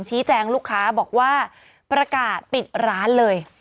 แจงลูกค้าบอกว่าประกาศปิดร้านเลย